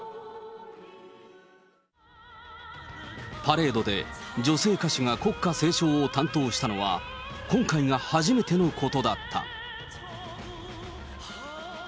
パレードで女性歌手が国歌斉唱を担当したのは、今回で初めてのことだった。